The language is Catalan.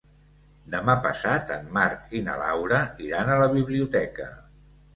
Demà passat en Marc i na Laura iran a la biblioteca.